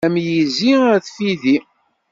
Am yizi af tfidi.